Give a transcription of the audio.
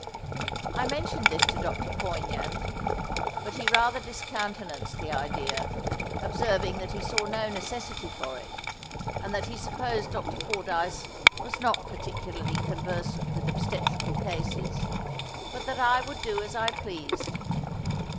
I mentioned this to Dr. Poignand, but he rather discountenanced the idea, observing that he saw no necessity for it, and that he supposed Dr. Fordyce was not particularly conversant with obstetrical cases; but that I would do as I pleased.